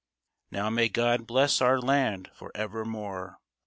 Now may God bless our land for evermore